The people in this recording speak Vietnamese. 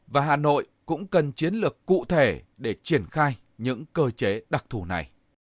và hà nội cũng cần chiến lược cụ thể để triển khai những cơ chế đặc thù này